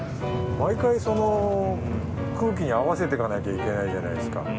毎回その空気に合わせていかなきゃいけないじゃないですか。